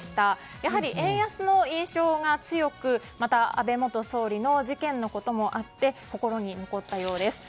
やはり円安の印象が強くまた、安倍元総理の事件のこともあって心に残ったようです。